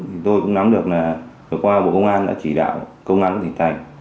thì tôi cũng nắm được là hồi qua bộ công an đã chỉ đạo công an của tỉnh thái